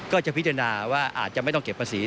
ก็จะพิจารณาว่าอาจจะไม่ต้องเก็บภาษี